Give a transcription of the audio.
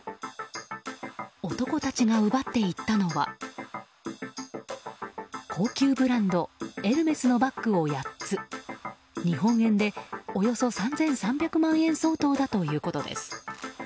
男たちが奪っていったのは高級ブランドエルメスのバッグを８つ日本円でおよそ３３００万円相当だということです。